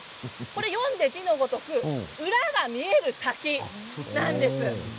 読んで字のごとく裏が見える滝なんです。